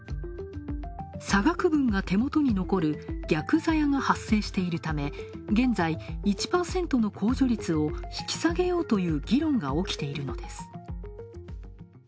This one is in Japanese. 差額分が手元に残る逆ざやが発生しているため現在１％の控除率を引き下げようという議論が起きているのです。